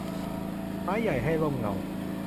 ไม้ใหญ่ให้ร่มเงา